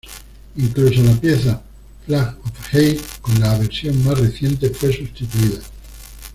Incluso la pieza "Flag of Hate" con la versión más reciente fue sustituida.